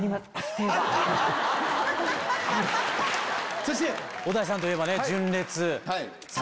そして小田井さんといえば。